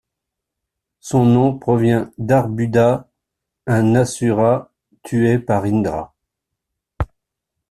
Son nom provient d'Arbuda, un asura tué par Indra.